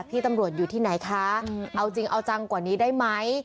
พี่ตำรวจอยู่ที่ไหนคะเอาจริงเอาจังกว่านี้ได้ไหม